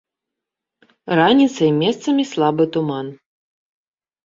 Раніцай месцамі слабы туман.